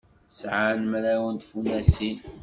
Sɛan mraw n tfunasin.